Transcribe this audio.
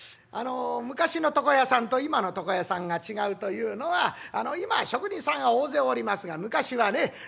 あの昔の床屋さんと今の床屋さんが違うというのは今は職人さんが大勢おりますが昔はね